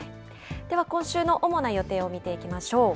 では今週の主な予定を見ていきましょう。